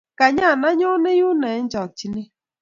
Kanya anyoni yunoe eng' chokchinet